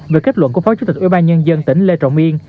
về kết luận của phó chủ tịch ubnd tỉnh lê trọng yên